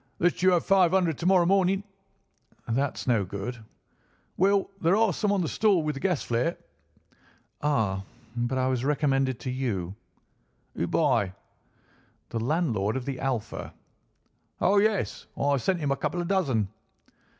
"Let you have five hundred to morrow morning." "That's no good." "Well, there are some on the stall with the gas flare." "Ah, but I was recommended to you." "Who by?" "The landlord of the Alpha." "Oh, yes; I sent him a couple of dozen."